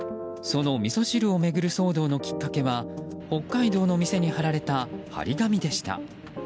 そのみそ汁を巡る騒動のきっかけは北海道の店に貼られた貼り紙でした。